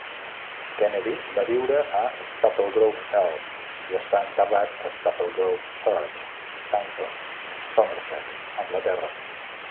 Kennedy va viure a Staplegrove Elm, i està enterrat a Staplegrove Church, Taunton, Somerset, Anglaterra.